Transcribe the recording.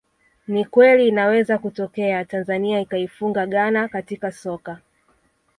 Ni kweli inaweza kutokea Tanzania ikaifunga Ghana katika soka